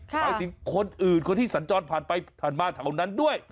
ไปดินคนอื่นคนที่สัญจรผ่านไปทางมาตร์เท่านั้นด้วย